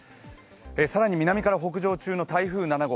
更に南から北上中の台風７号